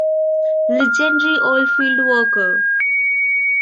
Legendary Oilfield Worker.